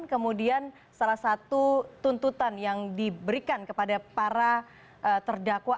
kemudian salah satu tuntutan yang diberikan kepada para terdakwa